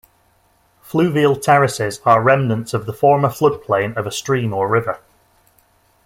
Fluvial terraces are remnants of the former floodplain of a stream or river.